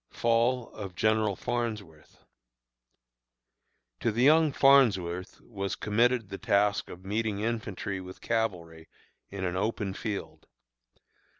FALL OF GENERAL FARNSWORTH. To the young Farnsworth was committed the task of meeting infantry with cavalry in an open field.